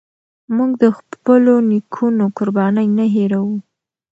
موږ د خپلو نيکونو قربانۍ نه هيروو.